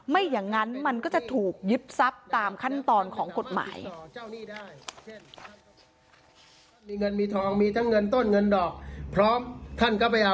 ไม่อย่างนั้นมันก็จะถูกยึดทรัพย์ตามขั้นตอนของกฎหมาย